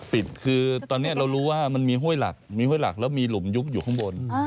ปิดคือตอนนี้เรารู้ว่ามันมีห้วยหลักมีห้วยหลักแล้วมีหลุมยุบอยู่ข้างบน